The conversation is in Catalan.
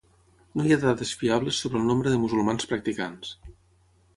No hi ha dades fiables sobre el nombre de musulmans practicants.